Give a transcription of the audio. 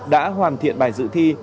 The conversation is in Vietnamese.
đã hoàn thiện bài dự thi